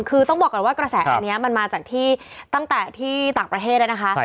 คือต้องบอกก่อนว่ากระแสอันนี้มันมาจากที่ตั้งแต่ที่ต่างประเทศแล้วนะคะ